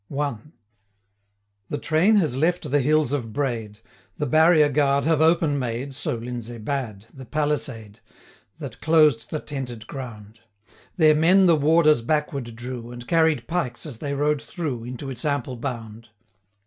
I. The train has left the hills of Braid; The barrier guard have open made (So Lindesay bade) the palisade, That closed the tented ground; Their men the warders backward drew, 5 And carried pikes as they rode through, Into its ample bound.